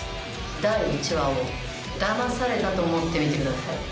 第１話をだまされたと思って見てください。